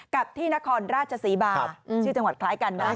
กับที่นครราชศรีมาชื่อจังหวัดคล้ายกันนะ